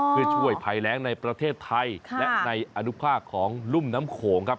เพื่อช่วยภัยแรงในประเทศไทยและในอนุภาคของรุ่มน้ำโขงครับ